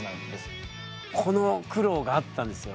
この苦労があったんですよ